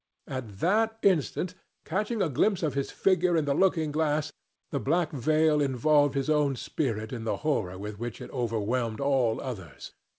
At that instant, catching a glimpse of his figure in the looking glass, the black veil involved his own spirit in the horror with which it overwhelmed all others.